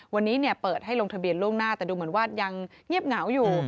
วันนี้เปิดให้ลงทะเบียนล่วงหน้าแต่ดูเหมือนว่ายังเงียบเหงาอยู่